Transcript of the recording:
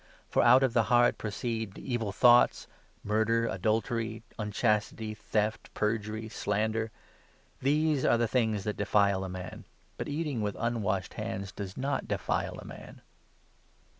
For out of the heart proceed evil thoughts — murder, adultery, unchastity, theft, perjury, slander. These are the things that defile a man ; but eating with unwashed hands does not defile a man."